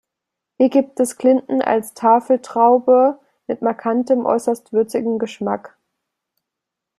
Hier gibt es Clinton als Tafeltraube mit markantem, äußerst würzigen Geschmack.